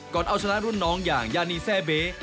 เอาชนะรุ่นน้องอย่างยานีแซ่เบ